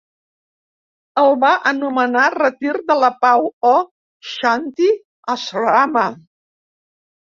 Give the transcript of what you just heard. El va anomenar "retir de la pau" o "shanti asrama".